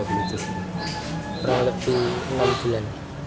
kurang lebih enam bulan